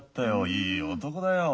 いい男だよ。